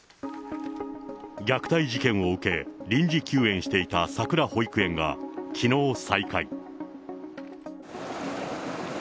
虐待事件を受け、臨時休園していたさくら保育園がきのう再開。